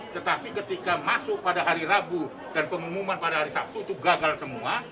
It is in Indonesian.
tetapi ketika masuk pada hari rabu dan pengumuman pada hari sabtu itu gagal semua